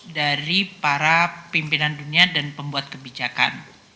dari para pimpinan dunia dan pembuat kebijakan